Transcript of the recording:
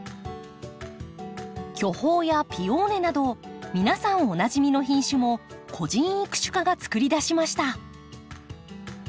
巨峰やピオーネなど皆さんおなじみの品種も個人育種家がつくり出しました。